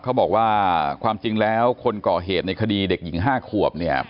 เขาบอกว่าความจริงแล้วคนก่อเหตุในคดีเด็กหญิง๕ขวบเนี่ย